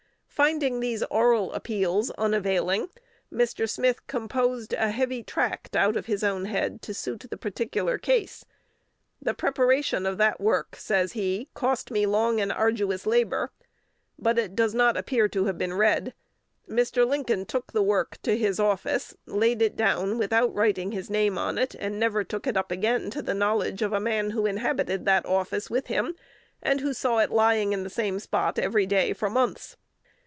Finding these oral appeals unavailing, Mr. Smith composed a heavy tract out of his own head to suit the particular case. "The preparation of that work," says he, "cost me long and arduous labor;" but it does not appear to have been read. Mr. Lincoln took the "work" to his office, laid it down without writing his name on it, and never took it up again to the knowledge of a man who inhabited that office with him, and who saw it lying on the same spot every day for months.